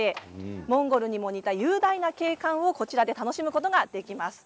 モンゴルにも似た雄大な景観を直接、楽しむことができます。